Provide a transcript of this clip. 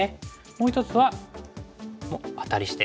もう一つはアタリして。